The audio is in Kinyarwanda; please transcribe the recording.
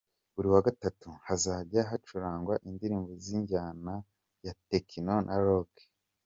Buri wa gatatu:Hazajya hacurangwa indirimbo z’injyana ya Techno na Rock.